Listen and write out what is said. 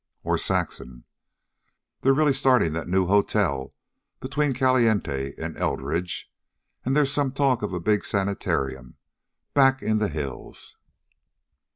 Or, Saxon: "They're really starting that new hotel between Caliente and Eldridge. And there's some talk of a big sanitarium back in the hills."